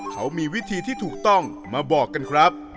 เขามีวิธีที่ถูกต้องมาบอกกันครับ